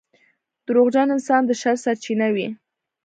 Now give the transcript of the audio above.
• دروغجن انسان د شر سرچینه وي.